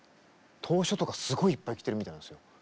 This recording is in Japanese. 投書とかすごいいっぱい来てるみたいなんですよ。